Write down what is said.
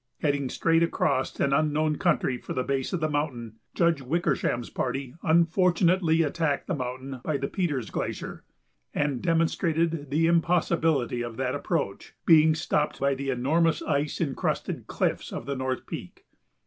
Heading straight across an unknown country for the base of the mountain, Judge Wickersham's party unfortunately attacked the mountain by the Peters Glacier and demonstrated the impossibility of that approach, being stopped by the enormous ice incrusted cliffs of the North Peak.